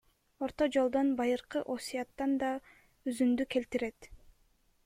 Орто жолдон — Байыркы Осуяттан да үзүндү келтирет.